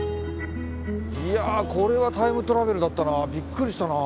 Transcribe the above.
いやこれはタイムトラベルだったな。